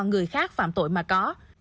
người khác phạm tội mà có